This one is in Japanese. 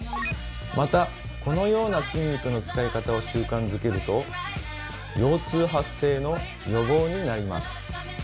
またこのような筋肉の使い方を習慣づけると腰痛発生の予防になります。